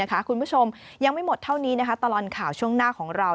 คุณผู้ชมยังไม่หมดเท่านี้ตลอดข่าวช่วงหน้าของเรา